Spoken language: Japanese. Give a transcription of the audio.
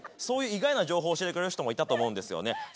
そういう意外な情報教えてくれる人もいたと思うんですよね。